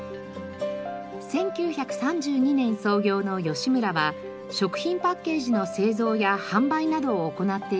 １９３２年創業の吉村は食品パッケージの製造や販売などを行っている会社です。